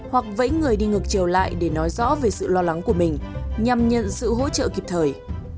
hoặc vẫy người đi ngược chiều lại để nói rõ về sự lo lắng của mình nhằm nhận sự hỗ trợ kịp thời